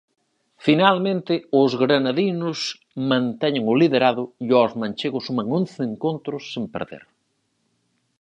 Finalmente os granadinos manteñen o liderado e os manchegos suman once encontros sen perder.